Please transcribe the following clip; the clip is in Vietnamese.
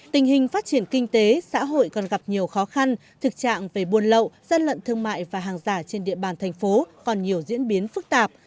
tình hình phát triển kinh tế xã hội còn gặp nhiều khó khăn thực trạng về buôn lậu dân lận thương mại và hàng giả trên địa bàn thành phố còn nhiều diễn biến phức tạp